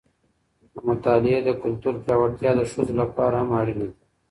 د مطالعې د کلتور پیاوړتیا د ښځو لپاره هم اړینه ده.